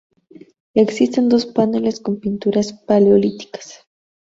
Existen dos paneles con pinturas paleolíticas.